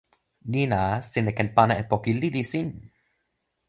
ni la, sina ken pana e poki lili sin!